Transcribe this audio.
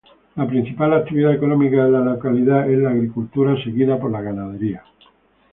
La principal actividad económica de la localidad es la agricultura seguida por la ganadería.